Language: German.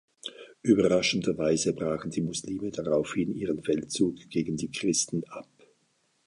Überraschenderweise brachen die Muslime daraufhin ihren Feldzug gegen die Christen ab.